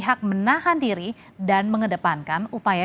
dan mereka tidak memilih keputusan